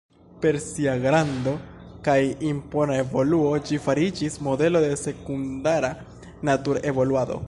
Per sia grando kaj impona evoluo ĝi fariĝis modelo de sekundara natur-evoluado.